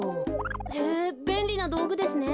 へえべんりなどうぐですね。